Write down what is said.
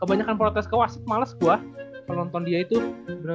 kebanyakan protes kewasit males gua nonton dia itu bener bener